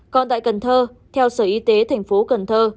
còn tại cần thơ theo sở y tế thành phố cần thơ